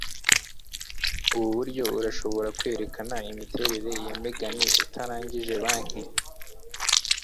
Ubu buryo, urashobora kwerekana imiterere ya Megan utarangije banki.